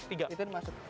itu yang masuk